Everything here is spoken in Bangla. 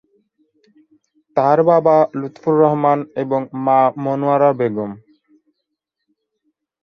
তার বাবা লুৎফর রহমান এবং মা মনোয়ারা বেগম।